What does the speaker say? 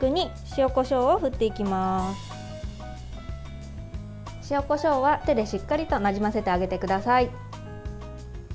塩、こしょうは手でしっかりとなじませてあげてください。